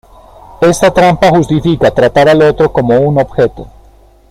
Esta trampa justifica tratar al otro como un objeto.